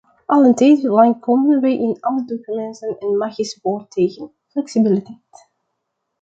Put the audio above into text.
Al een tijd lang komen we in alle documenten een magisch woord tegen: flexibiliteit.